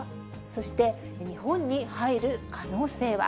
そして日本に入る可能性は？